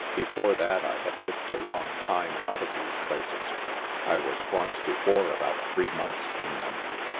Before that I had lived a long time out of these places. I was once before about three months in them."